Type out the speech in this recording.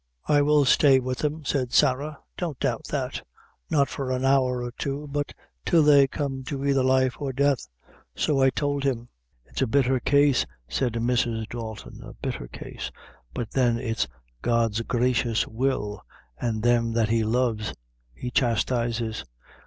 "I will stay with them," said Sarah; "don't doubt that not for an hour or two, but till they come to either life or death; so I tould him." "It's a bitther case," said Mrs. Dalton; "a bitther case; but then it's God's gracious will, an' them that He loves He chastises.